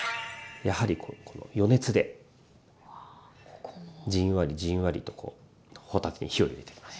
やはり余熱でじんわりじんわりとこう帆立てに火を入れていきます。